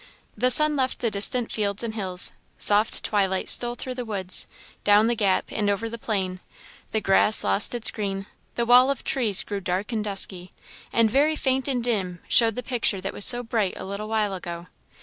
The sun left the distant fields and hills; soft twilight stole through the woods, down the gap, and over the plain; the grass lost its green; the wall of trees grew dark and dusky; and very faint and dim showed the picture that was so bright a little while ago.